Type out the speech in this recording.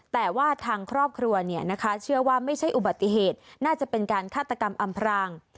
แต่ว่าทางครอบครัวเชื่อว่าไม่ใช่อุบัติเหตุน่าจะเป็นการฆาตกรรมอำพราง